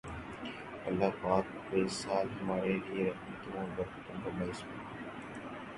الله پاک یہ سال ہمارے لیئے رحمتوں اور برکتوں کا باعث بنائے